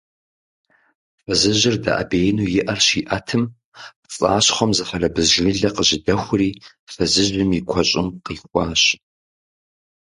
Фызыжьыр дэӀэбеину и Ӏэр щиӀэтым, пцӀащхъуэм зы хъэрбыз жылэ къыжьэдэхури фызыжьым и куэщӀыым къихуащ.